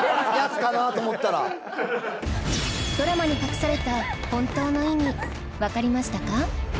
ドラマに隠された本当の意味わかりましたか？